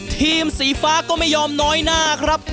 ทีมสีฟ้าก็ไม่ยอมน้อยหน้าครับ